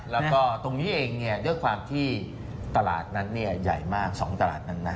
แล้วก็ตรงนี้เองด้วยความที่ตลาดนั้นใหญ่มาก๒ตลาดนั้นนะ